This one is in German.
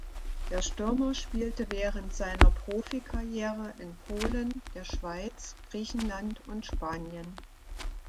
Der Stürmer spielte während seiner Profikarriere in Polen, der Schweiz, Griechenland und Spanien.